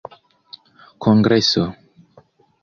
kongreso